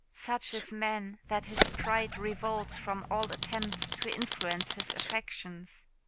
Such is man, that his pride revolts from all attempts to influence his affections.